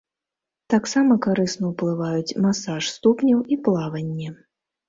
Таксама карысна ўплываюць масаж ступняў і плаванне.